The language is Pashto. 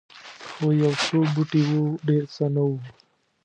خو یو څو پوټي وو ډېر څه نه وو.